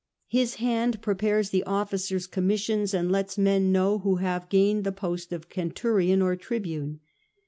His hand prepares the officers' commissions, and lets men know who have gained the post of centurion or tribune.